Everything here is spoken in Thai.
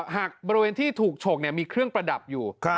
หากบริเวณที่ถูกฉกมีเครื่องประดับอยู่